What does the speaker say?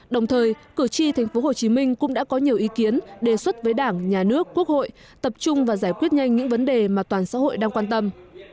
đồng thời cử tri tp hcm cũng đã có nhiều ý kiến đề xuất với đảng nhà nước quốc hội tập trung và giải quyết nhanh những vấn đề mà toàn xã hội đang quan tâm